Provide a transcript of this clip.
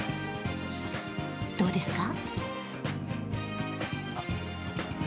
どうですか？